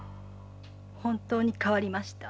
本当に変わりました。